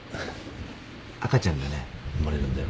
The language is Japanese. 赤ちゃんがね生まれるんだよ。